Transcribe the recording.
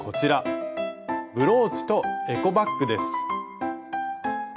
ブローチとエコバッグです。